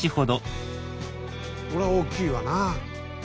これは大きいわな。